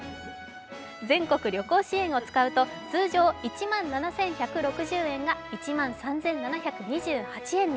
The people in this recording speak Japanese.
全国旅行支援を使うと通常１万７１６０円が１万３７２８円に。